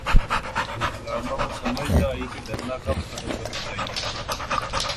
علامہ کو سمجھ نہ آئی کہ دھرنا کب ختم کرنا چاہیے۔